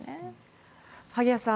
萩谷さん